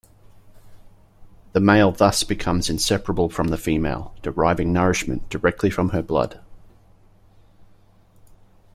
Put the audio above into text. The male thus becomes inseparable from the female, deriving nourishment directly from her blood.